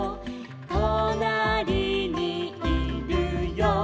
「となりにいるよ」